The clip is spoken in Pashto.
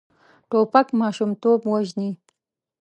توپک ماشومتوب وژني.